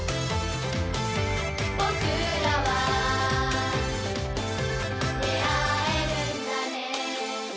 「僕らは出会えるんだね」